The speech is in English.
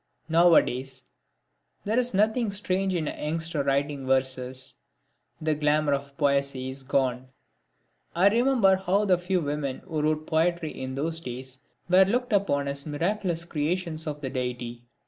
Nowadays there is nothing strange in a youngster writing verses. The glamour of poesy is gone. I remember how the few women who wrote poetry in those days were looked upon as miraculous creations of the Deity.